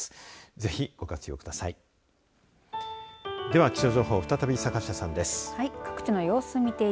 ぜひご活用ください。